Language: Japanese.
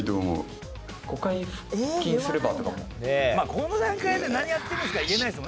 まあこの段階で「何やってるんですか？」は言えないですもんね